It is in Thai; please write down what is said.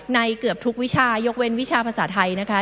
เกือบทุกวิชายกเว้นวิชาภาษาไทยนะคะ